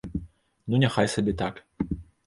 Ну няхай сабе так.